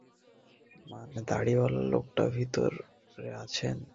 মানে দাড়িওয়ালা লোকটা ভিতরে আছেন।